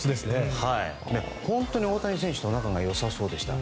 本当に大谷選手と仲が良さそうでした。